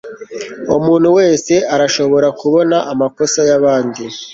umuntu wese arashobora kubona amakosa yabandi